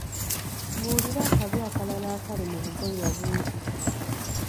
Mbuulira akabi akalala akali mu bugoye obumpi.